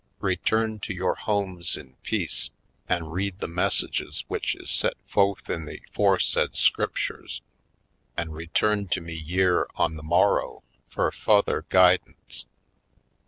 Return to yore homes in peace an' read the messages w'ich is set fo'th in the 'foresaid Scriptures an' return to me yere on the morrow fur fu'ther guidance.'